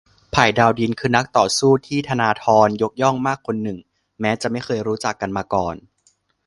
ไผ่ดาวดิน คือนักต่อสู้ที่ธนาธรยกย่องมากคนหนึ่ง แม้จะไม่เคยรู้จักกันมาก่อน